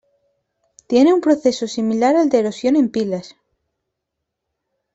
Tienen un proceso similar al de erosión en pilas.